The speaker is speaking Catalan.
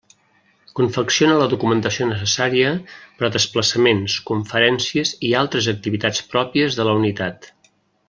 Confecciona la documentació necessària per a desplaçaments, conferències i altres activitats pròpies de la unitat.